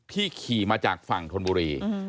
ขี่มาจากฝั่งธนบุรี